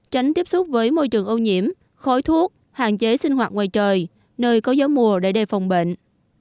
tránh môi trường ô nhiễm khói thuốc hạn chế sinh hoạt ngoài trời nơi có gió mùa để đề phòng bệnh